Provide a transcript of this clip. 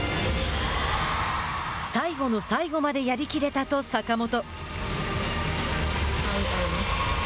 「最後の最後までやりきれた」と坂本。